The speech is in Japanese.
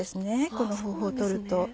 この方法を取ると。